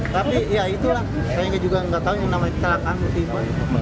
tapi ya itulah saya juga nggak tahu yang namanya celakaan